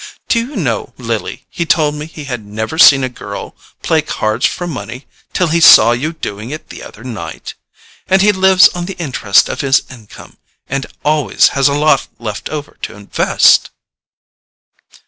Do you know, Lily, he told me he had never seen a girl play cards for money till he saw you doing it the other night? And he lives on the interest of his income, and always has a lot left over to invest!"